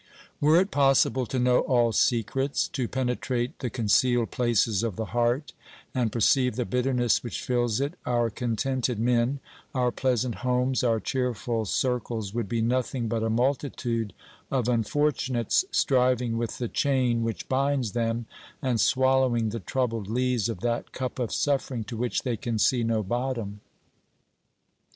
Were it possible to know all secrets, to penetrate the concealed places of the heart and perceive the bitterness which fills it, our contented men, our pleasant homes, our cheerful circles would be nothing but a multitude of unfortunates striving with the chain which binds them, and swallowing the troubled lees of that cup of suffering to which they can see no bottom.